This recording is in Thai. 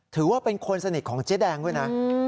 ถือว่าเป็นคนสนิทของเจ๊แดงด้วยนะ